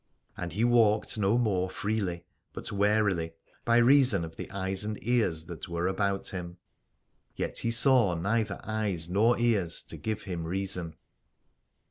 And he walked no more freely, but warily, by reason of the eyes and ears that were about him : yet he saw neither eyes nor ears to give him reason.